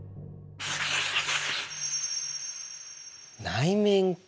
内面か。